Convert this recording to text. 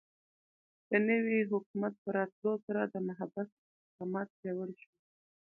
د نوي حکومت په راتلو سره د محبس استحکامات پیاوړي شول.